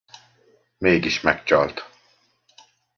Mégis megcsalt!